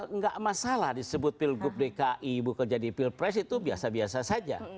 nggak masalah disebut pilgub dki bukan jadi pilpres itu biasa biasa saja